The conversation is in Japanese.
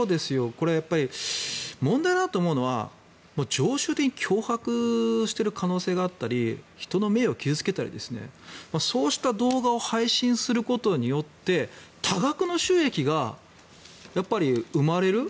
これは問題だなと思うのは常習的に脅迫している可能性があったり人の名誉を傷付けたりそうした動画を配信することによって多額の収益が生まれる。